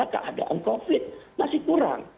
keadaan covid sembilan belas masih kurang